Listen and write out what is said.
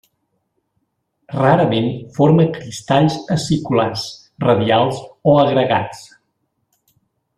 Rarament forma cristalls aciculars, radials o agregats.